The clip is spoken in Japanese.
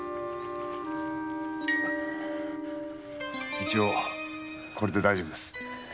一応これで大丈夫です。